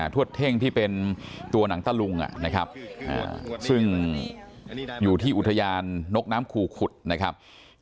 ทวดเท่งที่เป็นตัวหนังตะลุงนะครับซึ่งอยู่ที่อุทยานนกน้ำคูขุดนะครับ